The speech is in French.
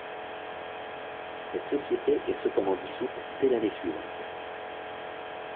Cette société est cependant dissoute dès l'année suivante.